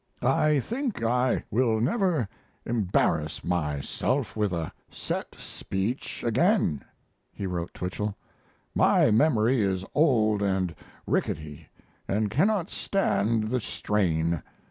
I think I will never embarrass myself with a set speech again [he wrote Twichell]. My memory is old and rickety and cannot stand the strain.